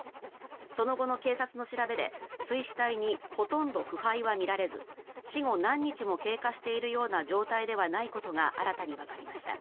その後の警察の調べで水死体にほとんど腐敗は見られず死後何日も経過しているような状態ではないことが新たにわかりました。